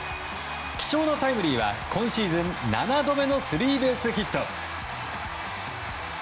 貴重なタイムリーは今シーズン７度目のスリーベースヒット。